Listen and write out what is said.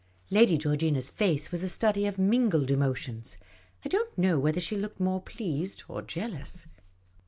Lady Georgina's face was a study of mingled emotions. I don't know whether she looked more pleased or jealous.